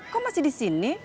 kok masih di sini